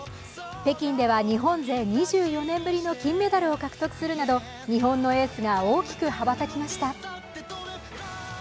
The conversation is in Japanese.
北京では日本勢２４年ぶりの金メダルを獲得するなど日本のエースが大きく羽ばたきました。